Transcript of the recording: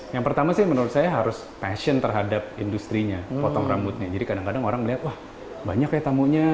yang pertama sih menurut saya harus passion terhadap industri nya potong rambutnya jadi kadang kadang orang melihat wah banyak ya tamunya